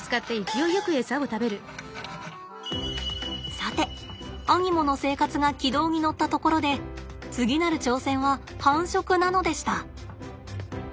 さてアニモの生活が軌道に乗ったところで次なる挑戦は繁殖なのでした。